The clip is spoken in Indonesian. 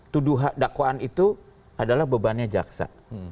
tuduhan dakwaan itu adalah bebannya jaksa